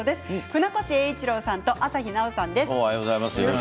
船越英一郎さんと朝日奈央さんです。